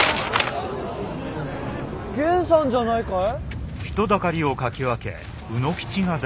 ・源さんじゃないかえ？